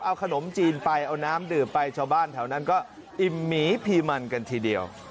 เอาขนมจีนไปเอาน้ำดื่มไปชาวบ้านแถวนั้นก็อิ่มหมีพีมันกันทีเดียว